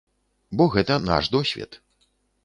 Бо гэта наш досвед.